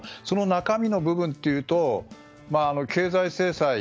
その中身の部分でいうと経済制裁